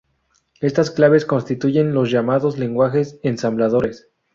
Estas claves constituyen los llamados lenguajes ensambladores.